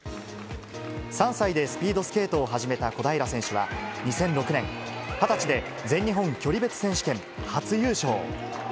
３歳でスピードスケートを始めた小平選手は２００６年、２０歳で全日本距離別選手権、初優勝。